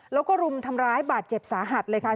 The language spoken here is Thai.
แล้วก็รุมทำร้ายบาดเจ็บสาหัสเลยค่ะ